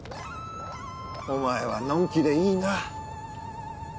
お前はのんきでいいな。